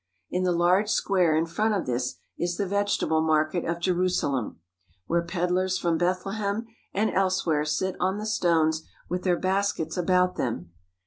In the large square in front of this is the vegetable mar ket of Jerusalem, where pedlars from Bethlehem and elsewhere sit on the stones with their baskets about 85 THE HOLY LAND AND SYRIA them.